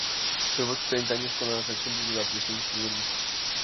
Celebró sus treinta años con la canción desde la aparición de su primer disco.